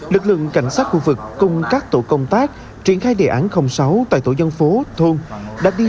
lực lượng cảnh sát khu vực cùng các tổ công tác triển khai đề án sáu tại tổ dân phố thôn đã đi